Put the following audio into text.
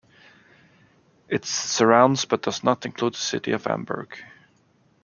It surrounds but does not include the city of Amberg.